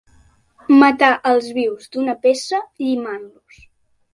Matar els vius d'una peça llimant-los.